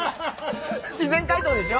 自然解凍でしょ？